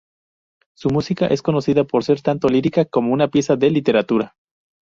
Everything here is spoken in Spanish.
Su música es conocida por ser tanto lírica como una pieza de literatura.